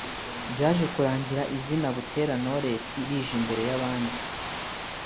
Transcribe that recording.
byaje kurangira izina ‘Butera Knowless rije imbere y’abandi